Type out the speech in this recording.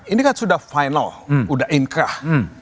ini kan sudah final sudah inkrah